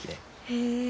へえ。